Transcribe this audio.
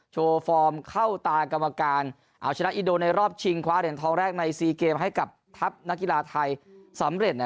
ฟอร์มเข้าตากรรมการเอาชนะอินโดในรอบชิงคว้าเหรียญทองแรกในซีเกมให้กับทัพนักกีฬาไทยสำเร็จ